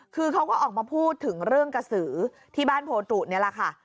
คือเขาก็ออกมาพูดถึงเรื่องกระสือที่บ้านโพตุนี่แหละค่ะ